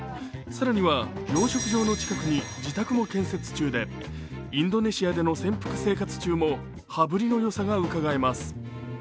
更には、養殖場の近くに自宅も建設中で、インドネシアでの潜伏生活中も羽振りのよさがうかがえます。